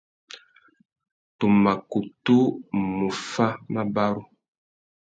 Tu mà kutu mù fá mabarú.